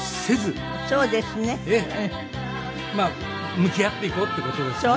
向き合っていこうという事ですね。